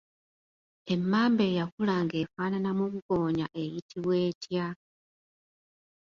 Emmamba eyakula nga efaananamu ggoonya eyitibwa etya?